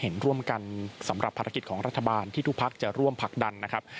เห็นร่วมกันสำหรับภารกิจของรัฐบาลที่ทุกพักจะร่วมผลักดันนะครับ